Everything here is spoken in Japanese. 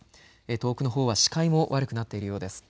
遠くのほうは視界も悪くなっているようです。